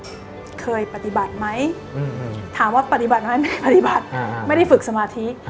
ว่าแอ้มเคยปฏิบัติไหมถามว่าปฏิบัติมั้ยไม่ได้ปฏิบัติไม่ได้ฝึกสมาธิ